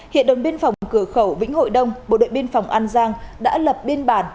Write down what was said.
hiện đồn biên phòng cửa khẩu vĩnh hội đông bộ đội biên phòng an giang đã lập biên bản